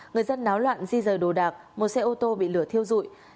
người dân náo loạn di rời đồ đạc một xe ô tô bị lửa thiêu dụi